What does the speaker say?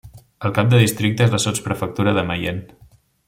El cap del districte és la sotsprefectura de Mayenne.